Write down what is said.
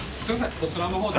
こちらの方で。